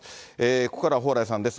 ここからは蓬莱さんです。